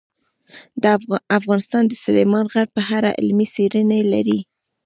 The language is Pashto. افغانستان د سلیمان غر په اړه علمي څېړنې لري.